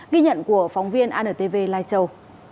ghi nhận của phóng viên antv lai châu